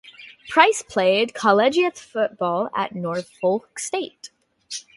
Price played collegiate football at Norfolk State.